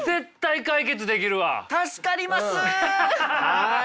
はい。